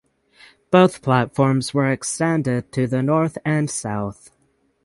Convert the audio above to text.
Both platforms were extended to the north and south.